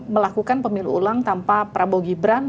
melakukan pemilu ulang tanpa prabowo gibran